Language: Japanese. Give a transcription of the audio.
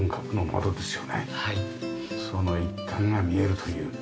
その一端が見えるという。